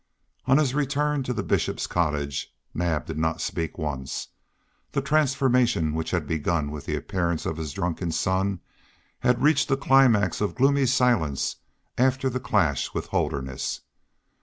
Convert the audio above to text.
On the return to the Bishop's cottage Naab did not speak once; the transformation which had begun with the appearance of his drunken son had reached a climax of gloomy silence after the clash with Holderness.